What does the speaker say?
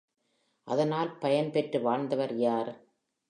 அதனால் பயன் பெற்று வாழ்ந்தவர் யார்?